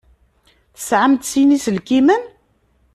Tesεamt sin iselkimen?